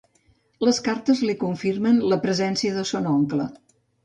Les cartes li confirmen la presència de son oncle.